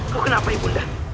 kau kenapa ibu